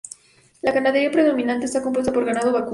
La ganadería predominante está compuesta por ganado vacuno.